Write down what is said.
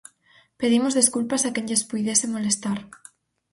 Pedimos desculpas a quen lles puidese molestar.